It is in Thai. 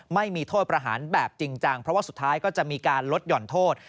ไม่มีโทษประหารแบบจริงจังเพราะว่าสุดท้ายก็จะมีการลดหย่อนโทษ